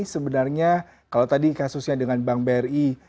sebenarnya kalau tadi kasusnya dengan bank bri